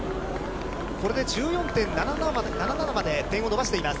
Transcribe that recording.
これで１４．７７まで点を伸ばしています。